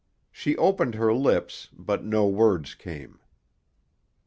She opened her lips, but no words came.